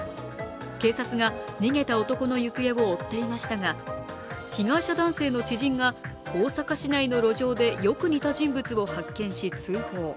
警察が逃げた男の行方を追っていましたが被害者男性の知人が大阪市内の路上でよく似た人物を発見し、通報。